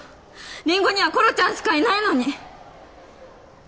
りんごにはころちゃんしかいないのに！